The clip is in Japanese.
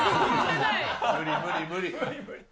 無理無理無理。